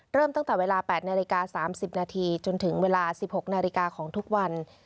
เริ่มตั้งแต่เวลา๘นาฬิกา๓๐นาทีจนถึงเวลา๑๖นาฬิกาของทุกวัน